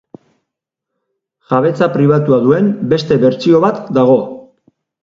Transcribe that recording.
Jabetza pribatua duen beste bertsio bat dago.